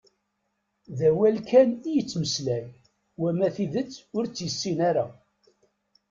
D awal kan i yettmeslay, wama tidet u tt-yessin ara.